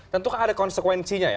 tentu kan ada konsekuensinya ya